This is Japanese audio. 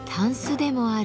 でもある